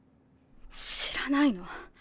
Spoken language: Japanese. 知らないの？